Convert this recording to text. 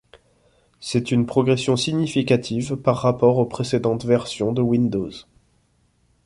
C'est une progression significative par rapport aux précédentes versions de Windows.